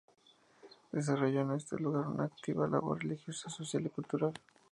Desarrolló en este lugar una activa labor religiosa, social y cultural.